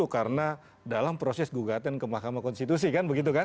karena dalam proses gugatan ke mahkamah konstitusi kan begitu kan